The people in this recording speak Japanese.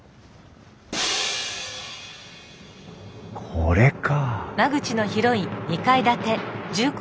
これか！